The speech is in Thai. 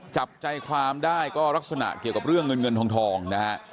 จับใจความได้ก็ลักษณะเกี่ยวกับเรื่องเงินเงินทองนะฮะ